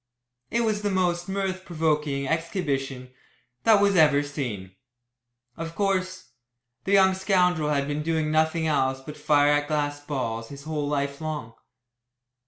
It was the most mirth provoking exhibition that was ever seen. Of course, the young scoundrel had been doing nothing else but fire at glass balls his whole life long.